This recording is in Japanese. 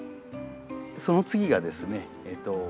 その次がですね